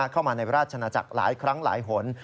เข้ามาในราชนาจักรหลายครั้งหลายหน